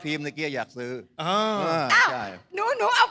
ที่จะเป็นความสุขของชาวบ้าน